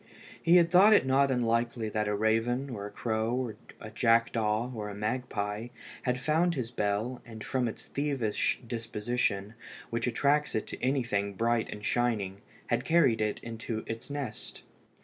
He had thought it not unlikely that a raven, or a crow, or a jackdaw, or a magpie, had found his bell, and from its thievish disposition, which attracts it to anything bright and shining, had carried it into its nest.